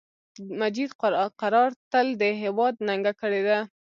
مجید قرار تل د هیواد ننګه کړی ده